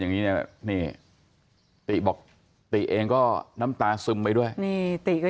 อย่างนี้เนี่ยนี่ติบอกติเองก็น้ำตาซึมไปด้วยนี่ติก็